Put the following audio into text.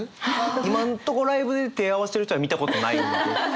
今んところライブで手を合わせてる人は見たことないので。